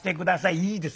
いいです